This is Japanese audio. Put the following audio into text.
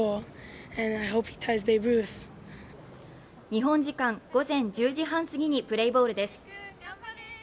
日本時間午前１０時半すぎにプレーボールです。